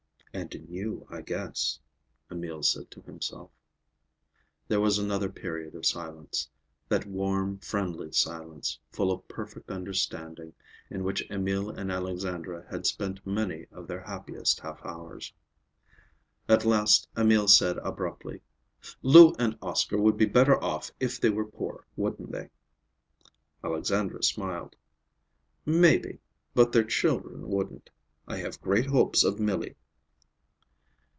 "And in you, I guess," Emil said to himself. There was another period of silence; that warm, friendly silence, full of perfect understanding, in which Emil and Alexandra had spent many of their happiest half hours. At last Emil said abruptly, "Lou and Oscar would be better off if they were poor, wouldn't they?" Alexandra smiled. "Maybe. But their children wouldn't. I have great hopes of Milly."